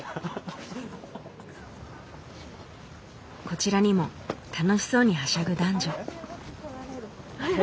こちらにも楽しそうにはしゃぐ男女。